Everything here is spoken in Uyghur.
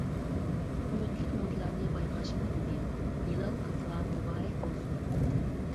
ئۈمىدلىك نوتىلارنى بايقاشمۇ مۇھىم. ھىلال قىزغا مۇبارەك بولسۇن!